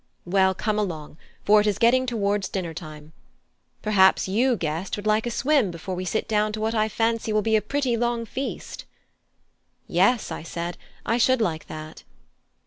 Well, come along, for it is getting towards dinner time. Perhaps you, guest, would like a swim before we sit down to what I fancy will be a pretty long feast?" "Yes," I said, "I should like that."